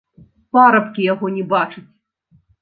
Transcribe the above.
Парабкі яго не бачаць.